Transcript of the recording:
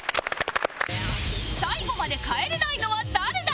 最後まで帰れないのは誰だ？